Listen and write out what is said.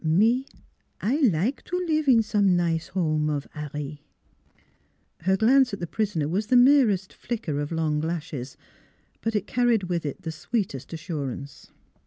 Me I like to live in some nize 'ome of 'Arry." Her glance at the prisoner was the merest flicker of long lashes, but it carried with it the sweetest assurance.